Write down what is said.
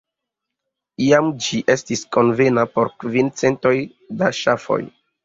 Iam ĝi estis konvena por kvin centoj da ŝafoj.